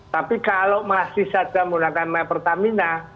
tapi kalau masih saja menggunakan my pertamina